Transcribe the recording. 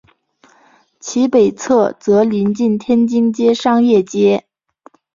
其北侧则邻近天津街商业街。